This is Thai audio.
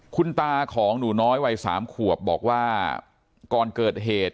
คุณตาของหนูน้อยวัย๓ขวบบอกว่าก่อนเกิดเหตุ